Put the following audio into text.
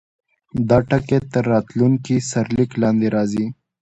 دا ټکی تر راتلونکي سرلیک لاندې راځي.